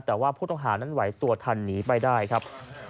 แต่ว่าผู้ต้องหานั้นไหวตัวทันหนีไปได้ครับ